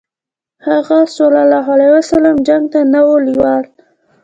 هغه ﷺ جنګ ته نه و لېواله.